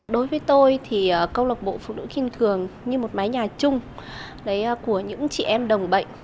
đối với tôi thì câu lạc bộ phụ nữ kiên cường như một mái nhà chung của những chị em đồng bệnh